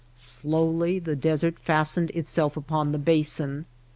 Slowly the desert fastened itself upon the basin.